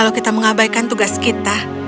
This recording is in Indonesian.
kau tidak perlu mengabaikan tugas kita